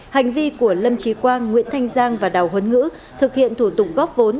hành vi của lâm trí quang nguyễn thanh giang và đào huấn ngữ thực hiện thủ tục góp vốn